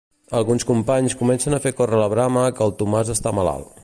Alguns companys comencen a fer córrer la brama que el Tomàs està malalt.